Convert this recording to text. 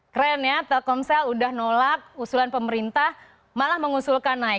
keren ya telkomsel udah nolak usulan pemerintah malah mengusulkan naik